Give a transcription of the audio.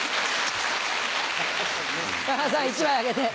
山田さん１枚あげて。